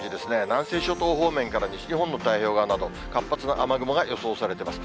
南西諸島方面から西日本の太平洋側など、活発な雨雲が予想されています。